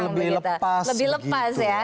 lebih lepas ya